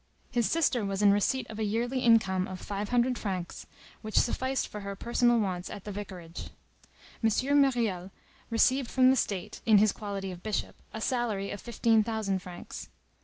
His sister was in receipt of a yearly income of five hundred francs, which sufficed for her personal wants at the vicarage. M. Myriel received from the State, in his quality of bishop, a salary of fifteen thousand francs.